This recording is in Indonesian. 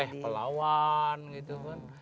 teh pelawan gitu kan